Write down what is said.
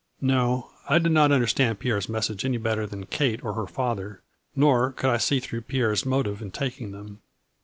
No, I did not understand Pierre's message any better than Kate or her father, nor could I see through Pierre's motive in taking them.